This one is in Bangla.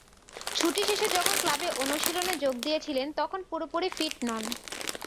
ছুটি শেষে যখন ক্লাবে অনুশীলনে যোগ দিয়েছিলেন, তখনো পুরোপুরি ফিট নন।